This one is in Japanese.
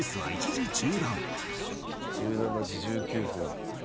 １７時１９分。